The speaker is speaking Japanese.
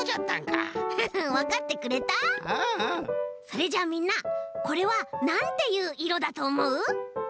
それじゃあみんなこれはなんていういろだとおもう？